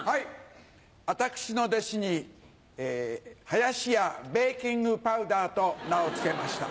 私の弟子に林家ベーキングパウダーと名を付けました。